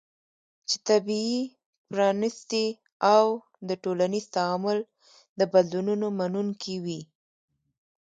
چې طبیعي، پرانستې او د ټولنیز تعامل د بدلونونو منونکې وي